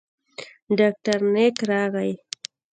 ډاکتر نايک راغى.